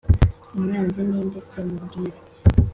umwanzi ninde se mumbwire ‘